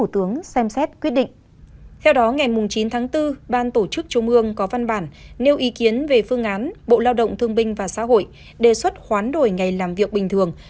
theo đó ngày chín tháng bốn ban tổ chức trung ương có văn bản nêu ý kiến về phương án bộ lao động thương binh và xã hội đề xuất khoán đổi ngày làm việc bình thường